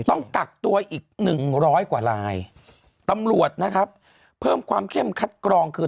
ต้องกักตัวอีกหนึ่งร้อยกว่าลายตำรวจนะครับเพิ่มความเข้มคัดกรองคือ